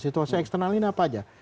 situasi eksternal ini apa aja